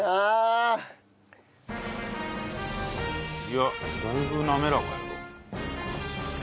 いやだいぶなめらかよ。